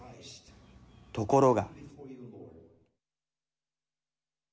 ところが。